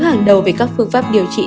hàng đầu về các phương pháp điều trị